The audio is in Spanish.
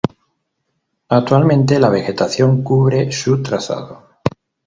Actualmente, la vegetación cubre su trazado.